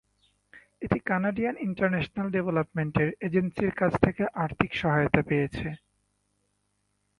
এটি Canadian International Development Agency র কাছ থেকে আর্থিক সহায়তা পেয়েছে।